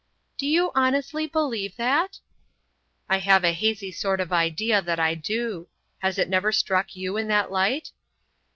"Do you honestly believe that?" "I have a hazy sort of idea that I do. Has it never struck you in that light?"